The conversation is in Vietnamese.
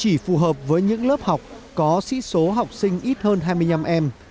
chỉ phù hợp với những lớp học có sĩ số học sinh ít hơn hai mươi năm em